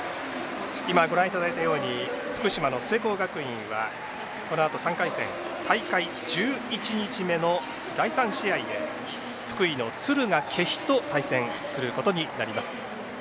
今、ご覧いただいたように福島の聖光学院がこのあと３回戦、大会１１日目の第３試合で福井の敦賀気比と対戦することになります。